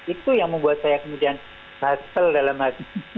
itu yang membuat saya kemudian batel dalam hati